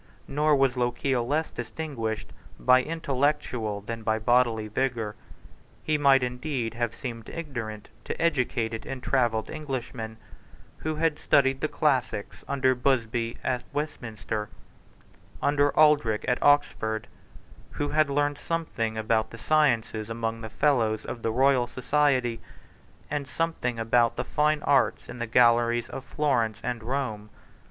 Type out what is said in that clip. Nor was Lochiel less distinguished by intellectual than by bodily vigour. He might indeed have seemed ignorant to educated and travelled Englishmen, who had studied the classics under Busby at Westminster and under Aldrich at Oxford, who had learned something about the sciences among Fellows of the Royal Society, and something about the fine arts in the galleries of Florence and Rome.